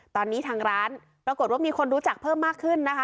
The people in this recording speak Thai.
ตอนนี้ทางร้านปรากฏว่ามีคนรู้จักเพิ่มมากขึ้นนะคะ